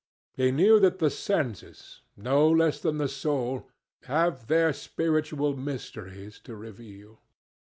He knew that the senses, no less than the soul, have their spiritual mysteries to reveal.